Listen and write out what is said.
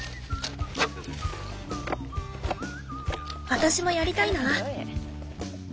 私もやりたいな。